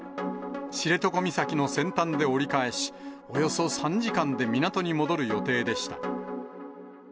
知床岬の先端で折り返し、およそ３時間で港に戻る予定でした。